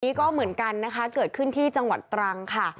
นี่ก็เหมือนกันนะคะเกิดขึ้นที่จังหวัดตรังค่ะ